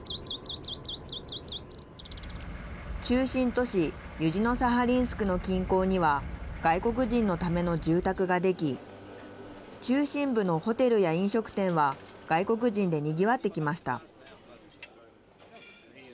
中心都市ユジノサハリンスクの近郊には外国人のための住宅ができ中心部のホテルや飲食店は外国人で、にぎわってきました。